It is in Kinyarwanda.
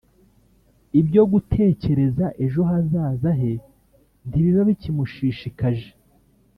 ibyo gutekereza ejo hazaza he ntibiba bikimushishikaje